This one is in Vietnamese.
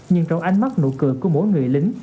nhưng trong ánh mắt nụ cười của mỗi người lính